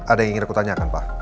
ada yang ingin aku tanyakan pak